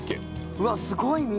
うわっすごい身！